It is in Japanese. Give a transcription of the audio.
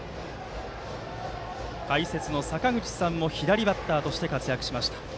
解説の坂口さんも左バッターとして活躍しました。